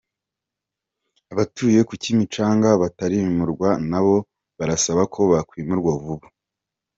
Abatuye ku Kimicanga batarimurwa nabo barasaba ko bakwimurwa vuba